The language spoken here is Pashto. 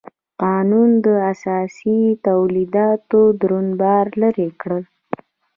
قانون د اسیايي تولیداتو دروند بار لرې کړ.